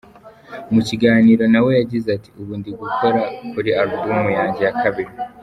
Mu kiganiro na we yagize ati: “Ubu ndi gukora kuri alubumu yanjye ya kabiri.